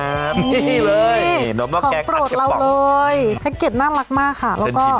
นี่เลยของโปรดเราเลยแพ็กเก็ตน่ารักมากค่ะแล้วก็